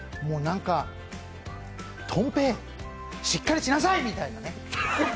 もうなんか、とん平、しっかりしなさい！みたいなね。